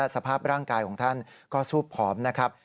สภาพร่างกายของท่านก็ซูบผอมนะครับ